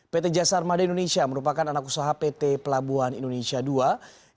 pt jasa armada indonesia merupakan anak usaha pt pelabuhan indonesia ii